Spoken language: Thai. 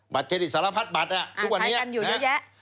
เครดิตสารพัดบัตรทุกวันนี้ยังอยู่เยอะแยะ